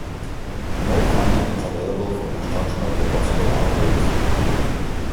No funding is available for construction of the possible upgrades.